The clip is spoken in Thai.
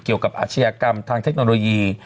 เกี่ยวกับอาชียกรรมทางเทคโนโลยี